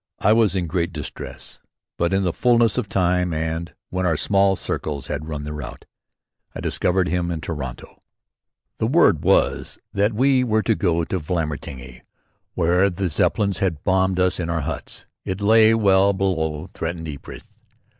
I was in great distress, but in the fullness of time and when our small circles had run their route, I discovered him in Toronto. The word was that we were to go to Vlamertinghe, where the Zeppelins had bombed us in our huts. It lay well below threatened Ypres.